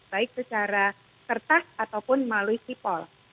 baik secara kertas ataupun melalui sipol